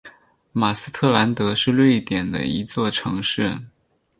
马斯特兰德是瑞典的一座城市。